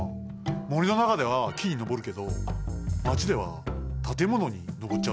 もりのなかではきにのぼるけどマチではたてものにのぼっちゃうよ。